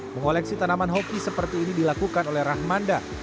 mengoleksi tanaman hoki seperti ini dilakukan oleh rahmanda